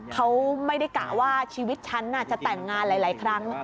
เขาไม่ได้กะว่าชีวิตฉันจะแต่งงานหลายครั้ง